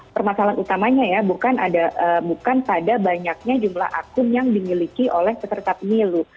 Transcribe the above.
permasalahan utamanya ya bukan pada banyaknya jumlah akun yang dimiliki oleh peserta pemilu